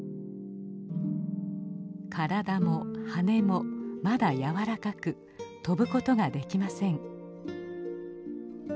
体も羽もまだ柔らかく飛ぶことができません。